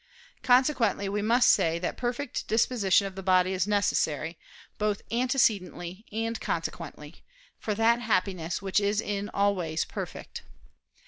Consequently, we must say that perfect disposition of the body is necessary, both antecedently and consequently, for that Happiness which is in all ways perfect.